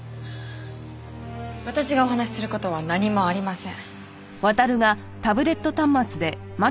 私がお話しする事は何もありません。